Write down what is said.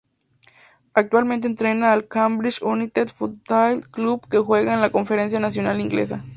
Actualmente entrena al Cambridge United Football Club que juega en la Conference National inglesa.